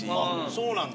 そうなんだ。